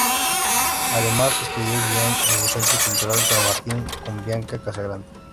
Además, estudió guión en el Centro Cultural San Martín con Bianca Casagrande.